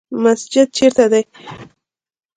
مسجد چیرته دی؟